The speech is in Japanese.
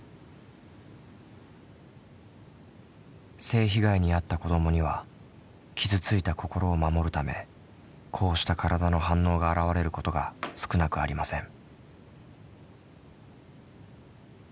性被害に遭った子どもには傷ついた心を守るためこうした体の反応が現れることが少なくありません。